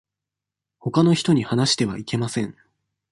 ほかの人に話してはいけません。